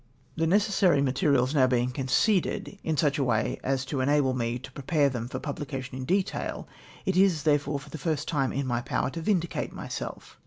The necessary materials being now conceded, in such a way as to enable me to prepare them for pubHcation in detail, it is, therefore, for the first time in my power to vindicate myself.